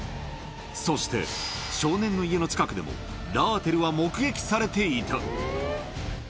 そして、少年の家の近くでもラーテルは目撃されていた。